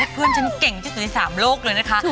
เพื่อนฉันเก่งที่สุดใน๓โลกเลยนะคะ